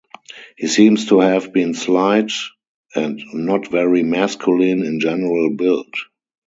He seems to have been slight and not very masculine in general build.